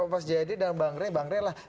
pas jid dan bang rai